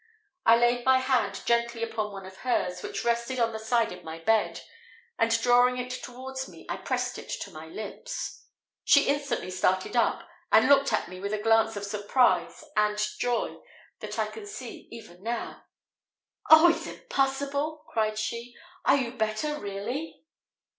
I laid my hand gently upon one of hers which rested on the side of my bed, and drawing it towards me, I pressed it to my lips. She instantly started up, and looked at me with a glance of surprise and joy that I can see even now. "Oh, is it possible!" cried she: "are you better really?"